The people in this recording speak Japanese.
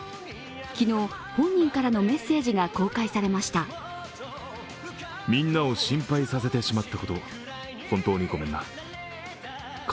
昨日、本人からのメッセージが公開されました。